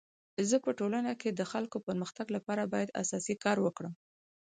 زه په ټولنه کي د خلکو د پرمختګ لپاره باید اساسي کار وکړم.